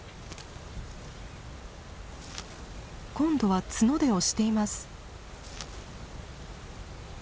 今度は角で押しています。